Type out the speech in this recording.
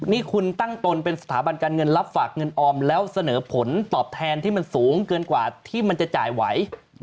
นี่คุณตั้งตนเป็นสถาบันการเงินรับฝากเงินออมแล้วเสนอผลตอบแทนที่มันสูงเกินกว่าที่มันจะจ่ายไหว